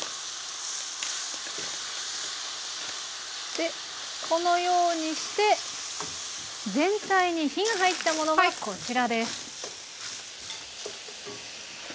でこのようにして全体に火が入ったものがこちらです。